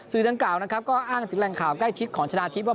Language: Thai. สื่อทั้งกล่าวนะครับก็อ้างถึงแรงข่าวใกล้ชิดของชนาทิพย์ว่า